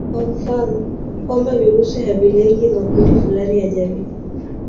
kwa mfano kwamba virusi havilengi makundi fulani ya jamii